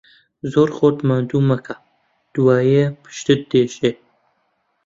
زۆر خۆت ماندوو مەکە، دوایێ پشتت دێشێ.